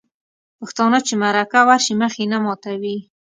پښتانه چې مرکه ورشي مخ یې نه ماتوي.